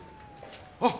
あっ！